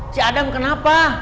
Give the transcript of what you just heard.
cik adam kenapa